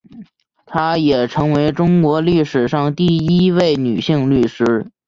她也成为中国历史上第一位女性律师。